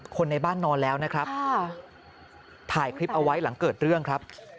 คนในบ้านนอนแล้วนะครับถ่ายคลิปเอาไว้หลังเกิดเรื่องครับ